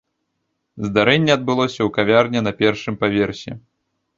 Здарэнне адбылося ў кавярні на першым паверсе.